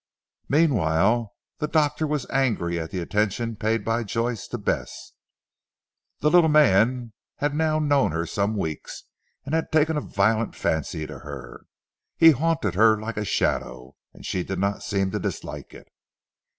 Meanwhile the doctor was angry at the attention paid by Joyce to Bess. The little man had now known her some weeks and had taken a violent fancy to her. He haunted her like a shadow, and she did not seem to dislike it.